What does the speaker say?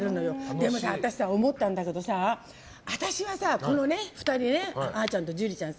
でもさ、私、思ったんだけど私はこの２人ねあーちゃんと樹里ちゃん